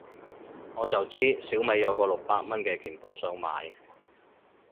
我就知小米有個六百蚊嘅鍵盤想買